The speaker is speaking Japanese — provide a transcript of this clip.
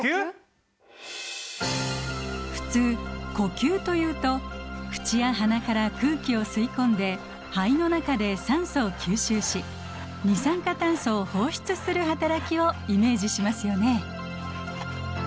普通呼吸というと口や鼻から空気を吸い込んで肺の中で酸素を吸収し二酸化炭素を放出する働きをイメージしますよね。